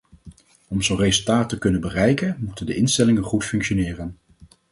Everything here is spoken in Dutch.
Om zo'n resultaat te kunnen bereiken, moeten de instellingen goed functioneren.